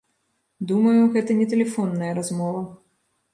Думаю, гэта не тэлефонная размова.